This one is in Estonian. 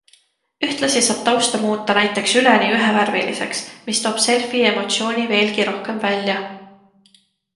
Ühtlasi saab tausta muuta näiteks üleni ühevärviliseks, mis toob selfie emotsiooni veelgi rohkem välja.